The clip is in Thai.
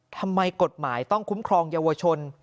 ทำไมกฎหมายต้องคุ้มครองเยาวชน